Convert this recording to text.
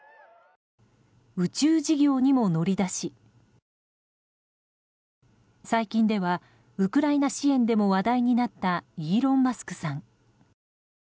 宇宙事業にも乗り出し最近ではウクライナ支援でも話題になったイーロン・マスクさん。